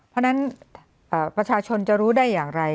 เพราะฉะนั้นประชาชนจะรู้ได้อย่างไร